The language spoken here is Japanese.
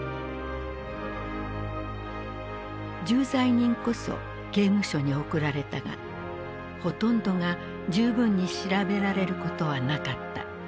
重罪人こそ刑務所に送られたがほとんどが十分に調べられることはなかった。